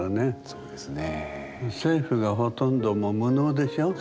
そうですね。